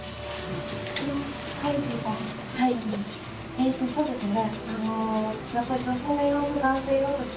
えっとそうですね。